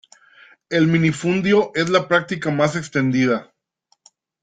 El minifundio es la práctica más extendida.